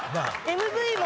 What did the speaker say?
ＭＶも。